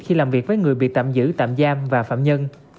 khi làm việc với người bị tạm giữ tạm giam và phạm nhân